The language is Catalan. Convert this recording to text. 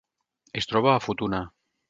Es troba a Futuna.